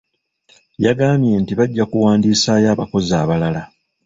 Yagambye nti bajja kuwandiisaayo abakozi abalala.